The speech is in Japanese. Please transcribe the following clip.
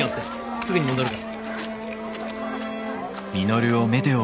すぐに戻るから。